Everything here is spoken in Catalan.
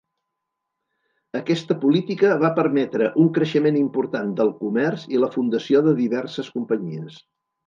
Aquesta política va permetre un creixement important del comerç i la fundació de diverses companyies.